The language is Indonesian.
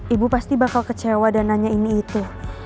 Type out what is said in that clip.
ibu pasti bakal kecewa dan nanya ini itu